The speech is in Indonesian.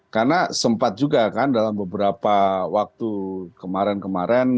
karena sempat juga kan dalam beberapa waktu kemarin kemarin